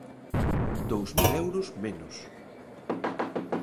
Dous mil euros menos.